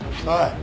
はい。